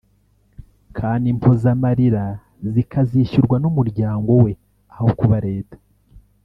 kandi impozamaririra zikazishyurwa n’umuryango we aho kuba leta